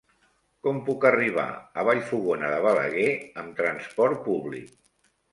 Com puc arribar a Vallfogona de Balaguer amb trasport públic?